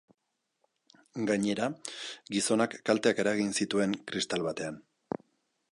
Gainera, gizonak kalteak eragin zituen kristal batean.